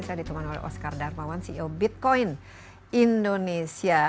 saya diteman oleh oscar darmawan ceo bitcoin indonesia